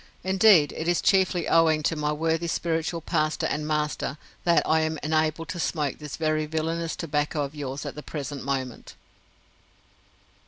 Indeed, it is chiefly owing to my worthy spiritual pastor and master that I am enabled to smoke this very villainous tobacco of yours at the present moment!"